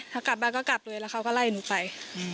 ถ้ากลับบ้านก็กลับเลยแล้วเขาก็ไล่หนูไป